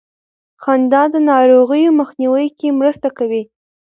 خندا د ناروغیو مخنیوي کې مرسته کوي.